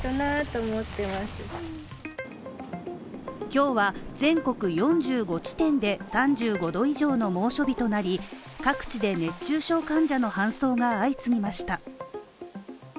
今日は全国４５地点で３５度以上の猛暑日となり、各地で熱中症患者の搬送が相次ぎました。